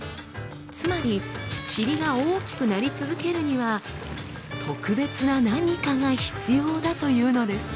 つまりチリが大きくなり続けるには特別な何かが必要だというのです。